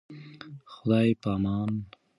خداي پامان.